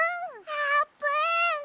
あーぷん！